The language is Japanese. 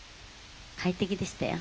快適でしたよ。